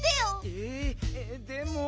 えでも。